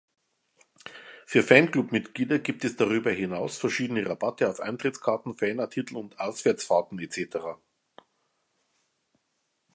Für Fanclub-Mitglieder gibt es darüber hinaus verschiedene Rabatte auf Eintrittskarten, Fanartikel und Auswärtsfahrten etc.